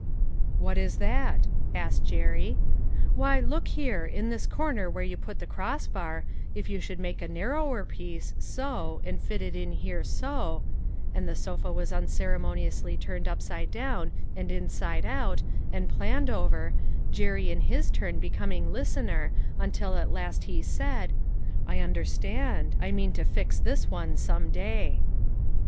" What is that ?" asked Jerry. " Why, look here, in this corner where you put the crossbar, if you should take a narrower piece, so, and fit it in here so," and the sofa was unceremoniously turned upside down and inside out, and planned over, Jerry in his turn becom ing listener until at last he said :" I understand ; I mean to fix this one, some day."